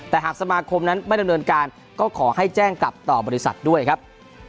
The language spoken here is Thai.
แต่หากสมาคมนั้นไม่ดำเนินการก็ขอให้แจ้งกลับต่อบริษัทด้วยครับ